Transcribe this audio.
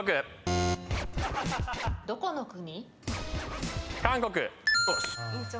どこの国？